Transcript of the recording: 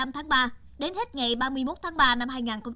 năm tháng ba đến hết ngày ba mươi một tháng ba năm hai nghìn hai mươi